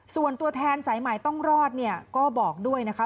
ส่วนตัวแทนสายหมายต้องรอดก็บอกด้วยนะคะ